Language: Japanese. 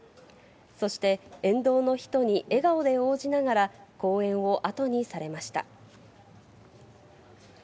そして、沿道の人に笑顔で応じながら、公園を後にされました。